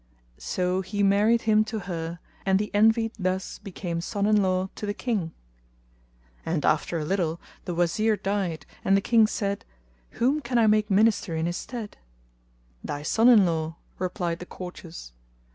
So he married him to her and the Envied thus became son in law to the King. And after a little the Wazir died and the King said, "Whom can I make Minister in his stead?" "Thy son in law," replied the courtiers.